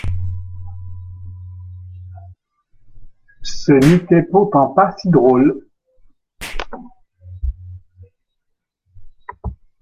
Ce n’était pourtant pas si drôle.